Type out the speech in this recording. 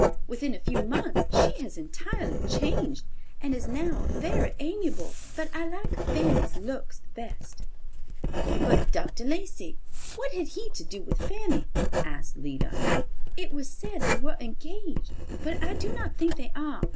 Within a few months she has entirely changed, and is now very amiable; but I like Fanny's looks the best." "But Dr. Lacey—what had he to do with Fanny?" asked Lida. "It was said they were engaged; but I do not think they are.